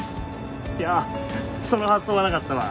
いやあその発想はなかったわ。